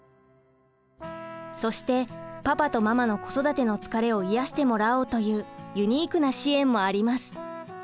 そしてパパとママの子育ての疲れを癒やしてもらおうというユニークな支援もあります。